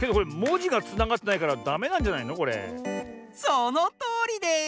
そのとおりです！